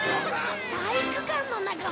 体育館の中まで？